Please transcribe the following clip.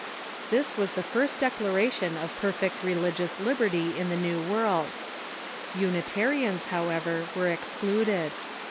This was the first declaration of per fect religious liberty in the New World. L^nitarians, however, were excluded.